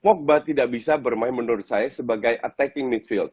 pogba tidak bisa bermain menurut saya sebagai attacking midfield